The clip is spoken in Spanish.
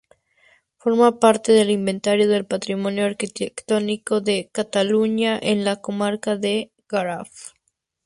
Forma parte del Inventario del Patrimonio Arquitectónico de Cataluña, en la comarca del Garraf.